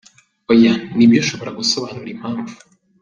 oh, ni byo, ushobora gusobanura impamvu.